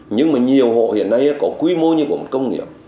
nhưng mà nhiều hộ hiện nay có quy mô lớn hơn nhiều doanh nghiệp cỡ nhỏ